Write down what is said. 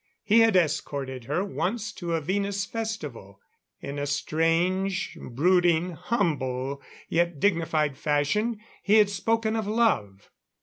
He had escorted her once to a Venus festival; in a strange, brooding, humble, yet dignified fashion, he had spoken of love.